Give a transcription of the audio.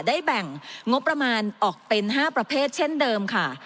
ได้แบ่งงบประมาณออกเป็น๕ประเภทเช่นเดิมค่ะ